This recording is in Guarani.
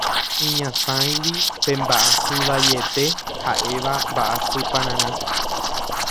iñasãigui pe mba'asy vaiete ha'éva mba'asypararã